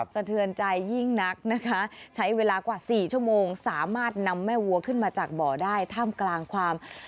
สะเทือนใจยิ่งนักนะคะ